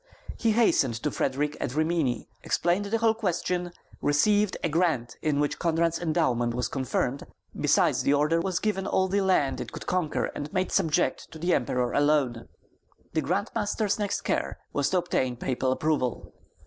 He hastened to Frederick at Rimini, explained the whole question, received a grant in which Konrad's endowment was confirmed; besides the order was given all the land it could conquer and make subject to the Emperor alone. The grand master's next care was to obtain papal approval.